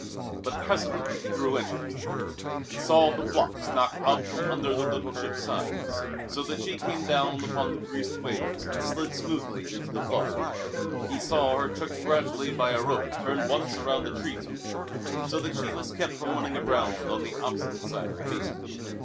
But presently he grew interested. He saw the blocks knocked out from under the little ship's sides, so that she came down upon the greased ways and slid smoothly into the flood. He saw her checked gradually by a rope turned once around a tree trunk, so that she was kept from running aground on the opposite side of the Basin.